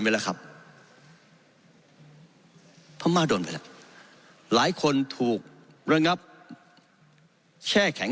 ไปแล้วครับพม่าโดนไปแล้วหลายคนถูกระงับแช่แข็ง